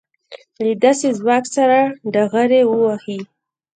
له داسې ځواک سره ډغرې ووهي.